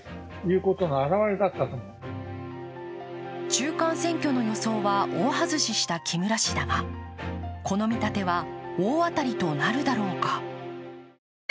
中間選挙の予想は大外しした木村氏だがこの見立ては、大当たりとなるだろうか。